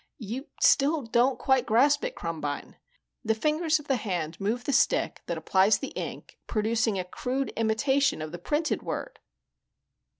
"You still don't quite grasp it, Krumbine. The fingers of the hand move the stick that applies the ink, producing a crude imitation of the printed word."